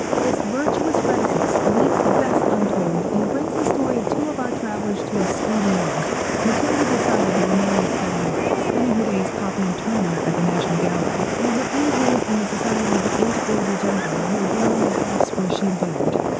This virtuous reticence leaves the best untold, and brings the story of two of our travellers to a speedy end. Matilda decided to remain and study art, spending her days copying Turner at the National Gallery, and her evenings in the society of the eight agreeable gentlemen who adorned the house where she abode.